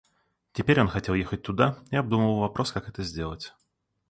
Теперь он хотел ехать туда и обдумывал вопрос, как это сделать.